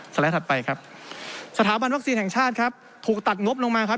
ไลด์ถัดไปครับสถาบันวัคซีนแห่งชาติครับถูกตัดงบลงมาครับ